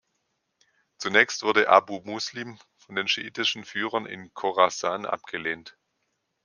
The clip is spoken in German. Zunächst wurde Abu Muslim von den schiitischen Führern in Chorasan abgelehnt.